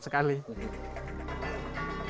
jadi kita harus berpikir pikir